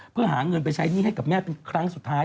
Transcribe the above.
เพื่อหาเงินไปใช้หนี้ให้กับแม่เป็นครั้งสุดท้าย